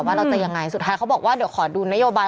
ว่าเราจะยังไงสุดท้ายเขาบอกว่าเดี๋ยวขอดูนโยบาย